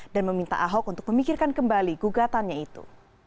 meminta ahok untuk memikirkan kembali gugatannya itu